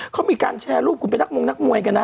เขามีการแชร์รูปคุณเป็นนักมงนักมวยกันนะ